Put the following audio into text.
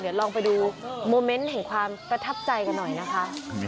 เดี๋ยวลองไปดูโมเมนต์แห่งความประทับใจกันหน่อยนะคะ